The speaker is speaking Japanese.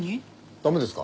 駄目ですか？